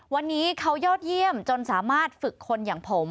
วันนี้เขายอดเยี่ยมจนสามารถฝึกคนอย่างผม